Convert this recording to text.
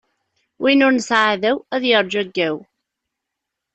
Win ur nesɛi aɛdaw, ad yeṛǧu aggaw!